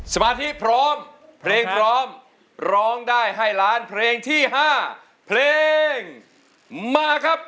สมาธิพร้อมเพลงพร้อมร้องได้ให้ล้านเพลงที่๕เพลงมาครับ